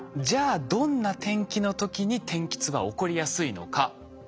じゃあどんな天気の時に天気痛は起こりやすいのか？